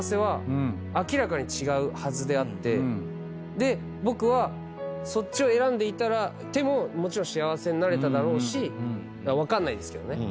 で僕はそっちを選んでいてももちろん幸せになれただろうし分かんないですけどね。